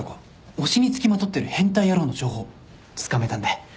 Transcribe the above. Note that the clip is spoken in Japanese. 推しに付きまとってる変態野郎の情報つかめたんで。